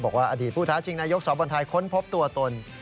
อดีตผู้ท้าชิงนายกสอบบอลไทยค้นพบตัวตน